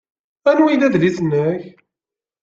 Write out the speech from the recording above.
Anwa ay d adlis-nnek?